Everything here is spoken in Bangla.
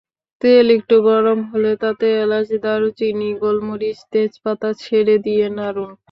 তেল একটু গরম হলে তাতে এলাচ, দারুচিনি, গোলমরিচ, তেজপাতা ছেড়ে দিয়ে নাড়ুন।